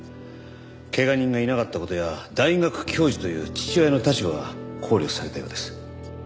怪我人がいなかった事や大学教授という父親の立場が考慮されたようです。